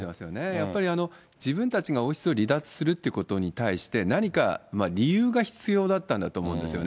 やっぱり自分たちが王室を離脱するということに対して、何か理由が必要だったんだと思うんですよね。